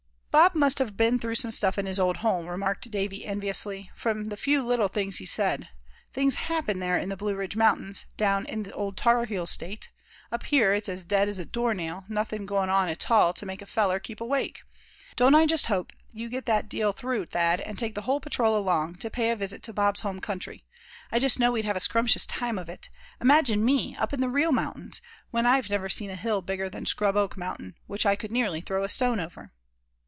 "Bob must have been through some stuff in his old home," remarked Davy, enviously; "from the few little things he's said. Things happen there in the Blue Ridge mountains, down in the Old Tar Heel state. Up here it's as dead as a door nail; nothin' goin' on atall to make a feller keep awake. Don't I just hope you get that deal through, Thad, and take the whole patrol along, to pay a visit to Bob's home country. I just know we'd have a scrumptuous time of it. Imagine me up in the real mountains, when I've never even seen a hill bigger than Scrub oak mountain, which I could nearly throw a stone over!"